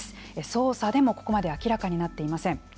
捜査でも、ここまで明らかになっていません。